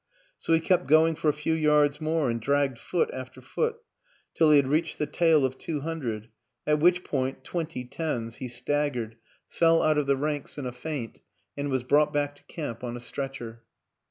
So he kept going for a few yards more and dragged foot after foot till he had readied the tale of two hundred; at which point twenty tens he staggered, fell out of WILLIAM AN ENGLISHMAN 243 the ranks in a faint and was brought back to camp on a stretcher.